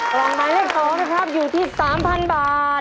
กล่องหมายเลข๒นะครับอยู่ที่๓๐๐๐บาท